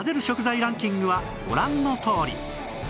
食材ランキングはご覧のとおり